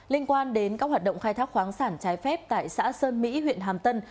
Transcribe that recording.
liên quan đến các hoạt động khai thác khoáng sản trái phép tại xã sơn mỹ huyện hàm tân